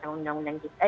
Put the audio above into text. di dalam ruj